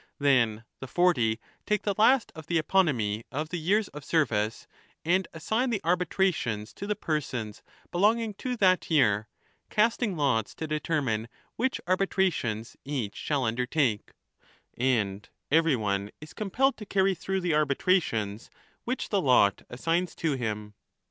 Then the Forty take the last of the Eponymi of the years of service, and assign the arbitrations to the persons belonging to that year, casting lots to determine which arbitrations each shall undertake ; and everyone is compelled to carry through the arbitrations which the lot assigns to him.